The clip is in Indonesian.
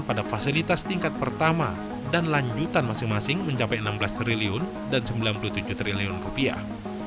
pada fasilitas tingkat pertama dan lanjutan masing masing mencapai enam belas triliun dan sembilan puluh tujuh triliun rupiah